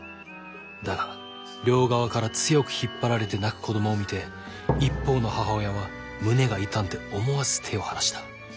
だが両側から強く引っ張られて泣く子どもを見て一方の母親は胸が痛んで思わず手を離した。